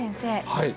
はい。